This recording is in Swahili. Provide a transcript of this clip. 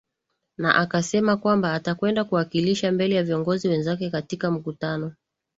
na akasema kwamba atakwenda kuwakilisha mbele ya viongozi wenzake katika mkutano